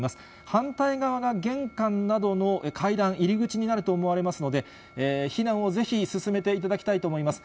反対側が玄関などの階段、入り口になると思われますので、避難をぜひ進めていただきたいと思います。